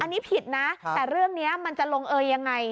อันนี้ผิดนะแต่เรื่องนี้มันจะลงเอยยังไง